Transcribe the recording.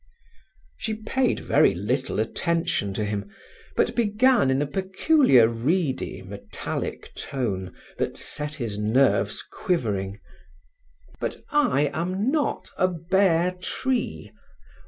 She paid very little attention to him, but began in a peculiar reedy, metallic tone, that set his nerves quivering: "But I am not a bare tree.